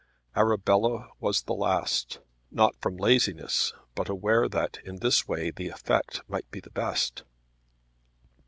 Arabella was the last, not from laziness, but aware that in this way the effect might be the best.